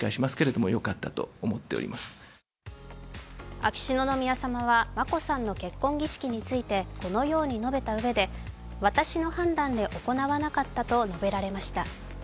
秋篠宮さまは眞子さんの結婚儀式について、このように述べた上で私の判断で行わなかったと述べられました。